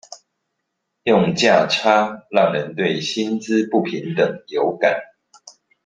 用價差讓人對薪資不平等有感